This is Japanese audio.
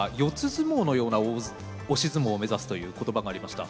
相撲のような押し相撲を目指すという言葉がありました。